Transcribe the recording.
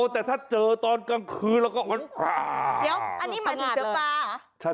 แต่ถ้าเจอตอนกลางคืนแล้วก็เฮียอันนี้เหมือนสัตว์สาปลาหรอ